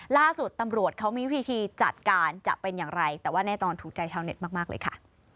ล่าสุดตำรวจเขามีวิธีจัดการจะเป็นอย่างไรแต่ว่าแน่นอนถูกใจชาวเน็ตมากเลยค่ะ